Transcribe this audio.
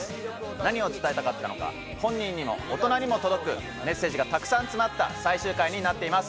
何を伝えなかったのか、本人にも大人にも届くメッセージがたくさん詰まった最終回になっています。